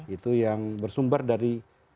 itu yang bersumber dari